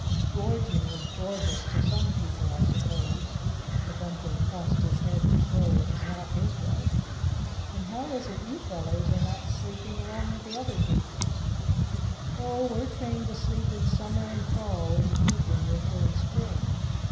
"Gorging is gorgeous to some people, I suppose." Kabumpo tossed his head to show it was not his way. "Then how is it you fellows are not sleeping along with the other Gapers?" "Oh, we're trained to sleep in summer and fall and to eat in winter and spring.